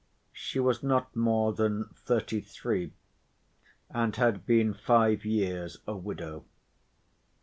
She was not more than thirty‐three, and had been five years a widow.